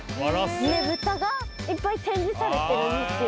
ねぶたがいっぱい展示されてるんですよ。